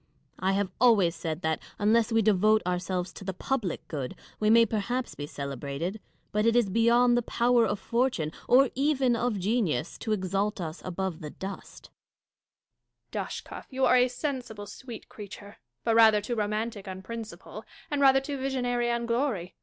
I have always said that, unless we devote ourselves to the public good, we may perhaps be celebrated ; but it is beyond the power of fortune, or even of genius, to exalt us above the dust. Catharine. Dashkof, you are a sensible, sweet creature ; but rather too romantic on principle, and rather too visionary on glory.